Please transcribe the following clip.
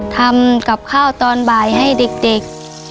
ทำกับข้าวตอนบ่ายให้เด็ก